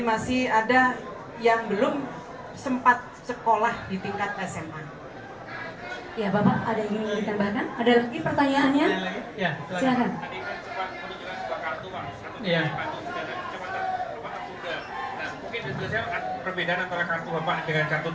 nah mungkin itu adalah perbedaan antara kartu bapak dengan kartu tani yang dipenyanyi pak